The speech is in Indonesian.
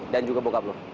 dan juga bokap lu oke